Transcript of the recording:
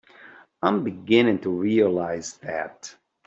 I'm beginning to realize that.